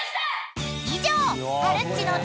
［以上］